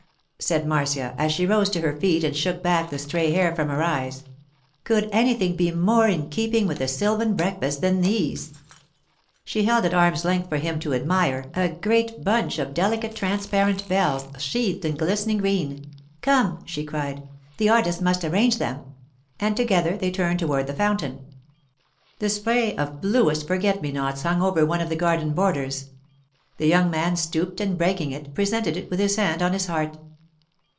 said Marcia as she rose to her feet and shook back the stray hair from her eyes. 'Could anything be more in keeping with a sylvan breakfast than these?' She held at arm's length for him to admire a great bunch of delicate transparent bells sheathed in glistening green. 'Come,' she cried; 'the artist must arrange them'; and together they turned toward the fountain. A spray of bluest forget me nots hung over one of the garden borders. The young man stooped and, breaking it, presented it with his hand on his heart.